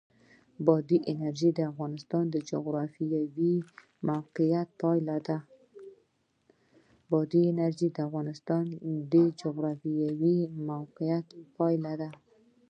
بادي انرژي د افغانستان د جغرافیایي موقیعت پایله ده.